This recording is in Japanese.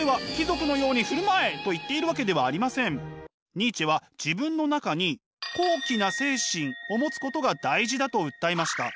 ニーチェは自分の中に高貴な精神を持つことが大事だと訴えました。